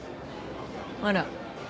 あら？